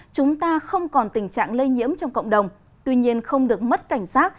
chúng ta không còn tình trạng lây nhiễm trong cộng đồng tuy nhiên không được mất cảnh sát